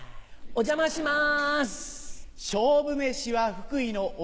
お邪魔します。